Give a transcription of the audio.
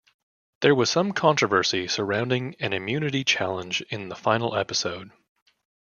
There was some controversy surrounding an immunity challenge in the final episode.